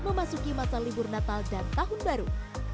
memasuki masa libur natal dan tahun baru